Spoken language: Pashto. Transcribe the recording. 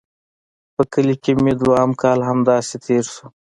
په کلي کښې مې دويم کال هم همداسې تېر سو.